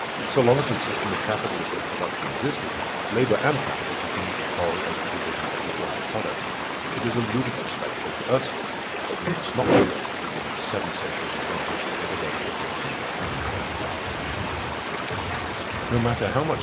So long as the system of capitalistic production existed, labor and capital continued to quarrel over the division of the joint product. It is a ludicrous spectacle to us, but we must not forget that we have seven centuries' advantage over those that lived in that time.